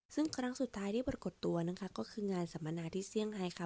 ซึ่งครั้งสุดท้ายที่ปรากฏตัวนะคะก็คืองานสัมมนาที่เซี่ยงไฮค่ะ